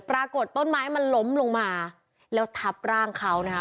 ปรากฏต้นไม้มันล้มลงมาแล้วทับร่างเขานะคะ